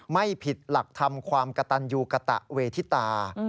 ไม่ผิดหลักธรรมความกระตันยูกะตะเวทิตา